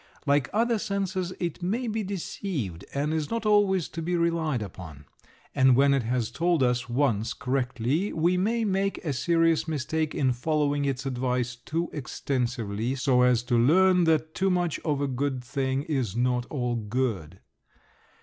Like other senses it may be deceived and is not always to be relied upon. And when it has told us once correctly we may make a serious mistake in following its advice too extensively so as to learn that too much of a good thing is not all good.